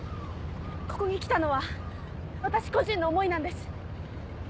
ここに来たのは私個人の思いなんです。